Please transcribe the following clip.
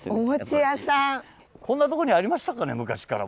こんなとこにありましたかね昔から。